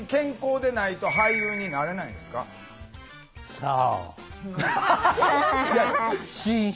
さあ？